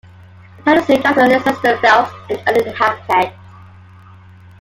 The town is named after Leicester Phelps, an early inhabitant.